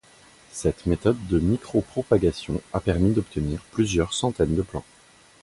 Cette méthode de micropropagation a permis d'obtenir plusieurs centaines de plants.